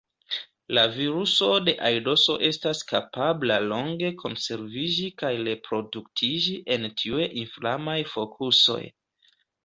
La viruso de aidoso estas kapabla longe konserviĝi kaj reproduktiĝi en tiuj inflamaj fokusoj.